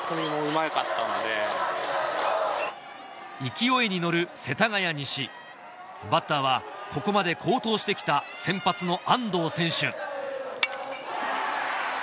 勢いに乗る世田谷西バッターはここまで好投してきた先発の安藤選手